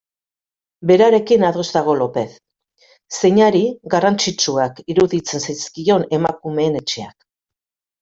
Berarekin ados dago Lopez, zeinari garrantzitsuak iruditzen zaizkion Emakumeen Etxeak.